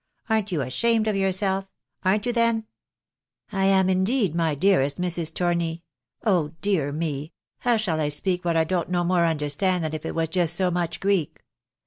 Arn't you ashamed of yourself — arn't you then ?"" I am, indeed, my dearest Mrs. Torni — oh, dear me ! How shall I speak what I don't no more understand than if it was just so much Greek